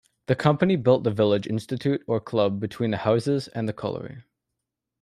The company built the village institute or club between the houses and the colliery.